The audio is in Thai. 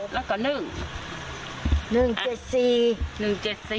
๑๗๔แล้วก็๑